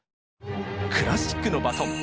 クラシックのバトン。